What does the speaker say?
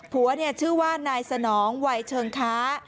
ผัวชื่อว่านายสนองวัยเชิงค้า